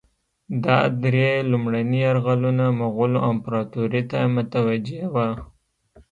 ده درې لومړني یرغلونه مغولو امپراطوري ته متوجه وه.